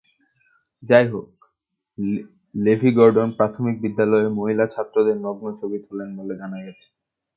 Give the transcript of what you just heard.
যাইহোক, Levi Gordon প্রাথমিক বিদ্যালয়ে মহিলা ছাত্রদের নগ্ন ছবি তোলেন বলে জানা গেছে।